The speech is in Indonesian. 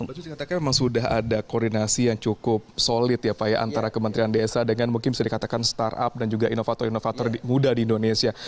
katakan memang sudah ada koordinasi yang cukup solid ya pak ya antara kementerian desa dengan mungkin bisa dikatakan startup dan juga inovator inovator muda di indonesia